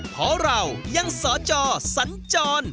เพราะเรายังสอจอสัญจร